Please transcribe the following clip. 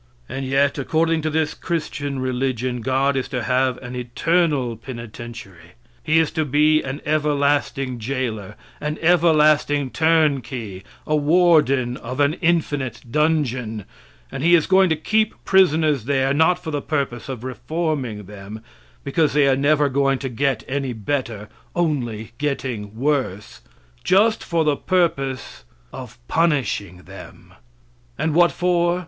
And yet, according to this Christian religion, God is to have an eternal penitentiary; He is to be an everlasting jailor, an everlasting turnkey, a warden of an infinite dungeon, and He is going to keep prisoners there, not for the purpose of reforming them because they are never going to get any better, only getting worse just for the purpose of punishing them. And what for?